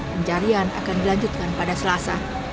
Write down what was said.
pencarian akan dilanjutkan pada selasa